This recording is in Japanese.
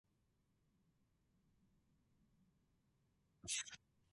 スクーリングの教室変更がある場合はこちらでご案内します。